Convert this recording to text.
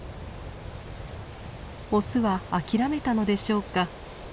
オスは諦めたのでしょうか。